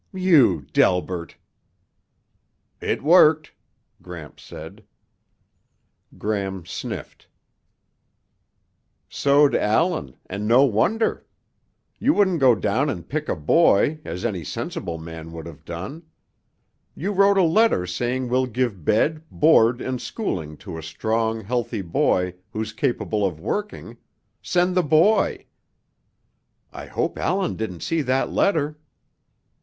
"You, Delbert!" "It worked," Gramps said. Gram sniffed, "So'd Allan, and no wonder. You wouldn't go down and pick a boy, as any sensible man would have done. You wrote a letter saying we'll give bed, board and schooling to a strong, healthy boy who's capable of working. Send the boy! I hope Allan didn't see that letter!"